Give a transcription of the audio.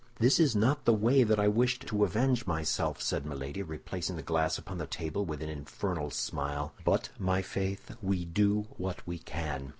"This is not the way that I wished to avenge myself," said Milady, replacing the glass upon the table, with an infernal smile, "but, my faith! we do what we can!"